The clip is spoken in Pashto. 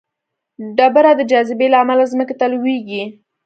ډبره د جاذبې له امله ځمکې ته لویږي.